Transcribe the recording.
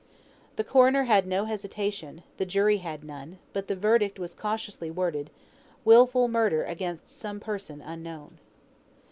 The coroner had no hesitation, the jury had none, but the verdict was cautiously worded. "Wilful murder against some person unknown."